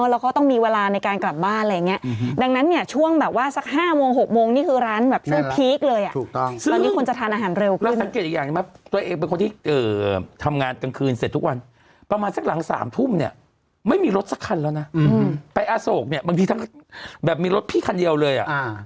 ไม่มีรถสักคันแล้วนะไปอาโศกบางทีมีทั้งแบบมีรถพี่คันเดียวเลย